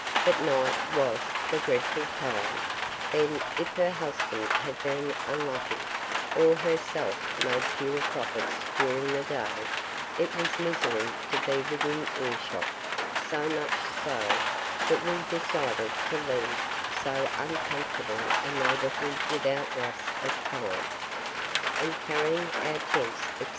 But night was the dreadful time; then, if her husband had been unlucky, or herself made fewer profits during the day, it was misery to be within earshot; so much so, that we decided to leave so uncomfortable a neighbourhood without loss of time, and carrying our tents, &c.